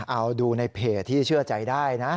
เอาดูในเพจที่เชื่อใจได้นะ